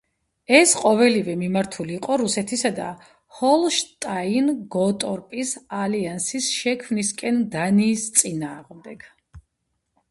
ეს ყოველივე მიმართული იყო რუსეთისა და ჰოლშტაინ-გოტორპის ალიანსის შექმნისკენ დანიის წინააღმდეგ.